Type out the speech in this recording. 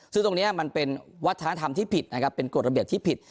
ซึ่งตรงนี้มันเป็นวัฒนธรรมที่ผิดนะครับเป็นกฎระเบียบที่ผิด